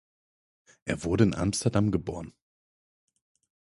Er wurde in Amsterdam geboren.